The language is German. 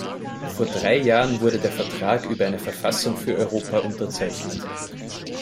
Vor drei Jahren wurde der Vertrag über eine Verfassung für Europa unterzeichnet.